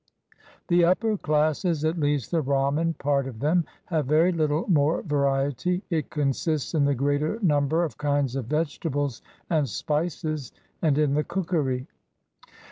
The upper classes, at least the Bramin part of them, have very httle more variety; it consists in the greater number of kinds of vegetables and spices, and in the cookery.